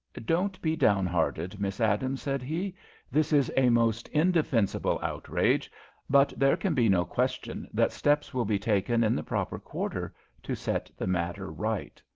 "Don't be down hearted, Miss Adams," said he. "This is a most indefensible outrage, but there can be no question that steps will be taken in the proper quarter to set the matter right.